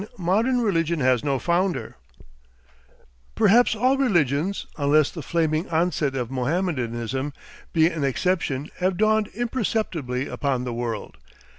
MODERN RELIGION HAS NO FOUNDER Perhaps all religions, unless the flaming onset of Mohammedanism be an exception, have dawned imperceptibly upon the world.